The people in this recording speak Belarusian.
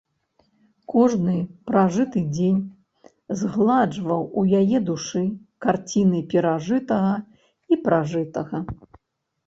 Кожны пражыты дзень згладжваў з яе душы карціны перажытага і пражытага.